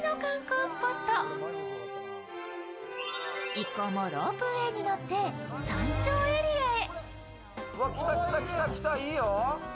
一行もロープウエーに乗って山頂エリアへ。